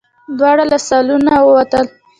دواړه له سالونه ووتل.